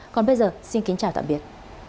còn bây giờ xin kính chào tạm biệt